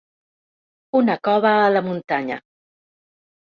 Una cova a la muntanya.